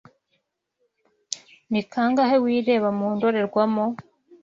Ni kangahe wireba mu ndorerwamo?